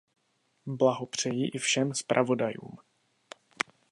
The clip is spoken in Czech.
Blahopřeji i všem zpravodajům.